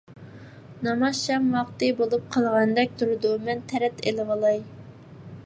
ناماز شام ۋاقتى بولۇپ قالغاندەك تۇرىدۇ، مەن تەرەت ئېلىۋالاي.